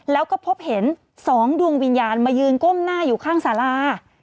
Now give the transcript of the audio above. แล้วก็พบเห็น๒ดวงวิญญาณมายืนก้มหน้าอยู่ข้างสารา